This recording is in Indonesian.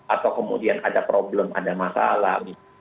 atau kemudian ada problem ada masalah